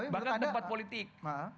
bahkan tempat politik